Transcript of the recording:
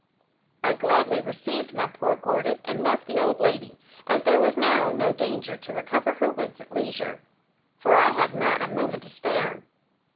I gladly received my poor gordit, and left the old lady, as there was now no danger, to recover her wits at leisure; for I had not a moment to spare.